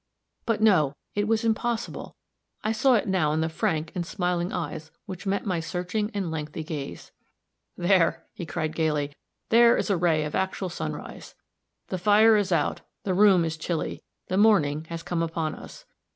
But no! it was impossible! I saw it now in the frank and smiling eyes which met my searching and lengthy gaze. "There!" he cried, gayly, "there is a ray of actual sunrise. The fire is out; the room is chilly the morning has come upon us.